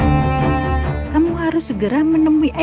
mereka tidak berhubung keimanan tapi tidak mau bersama sama